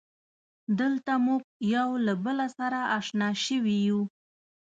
دلته مونږ یو له بله سره اشنا شوي یو.